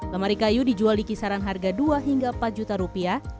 lemari kayu dijual di kisaran harga dua hingga empat juta rupiah